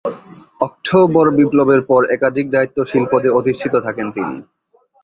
October বিপ্লবের পর একাধিক দায়িত্বশীল পদে অধিষ্ঠিত থাকেন তিনি।